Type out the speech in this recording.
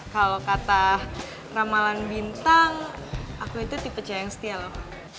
kalau kata ramalan bintang aku itu tipe jayang setia loh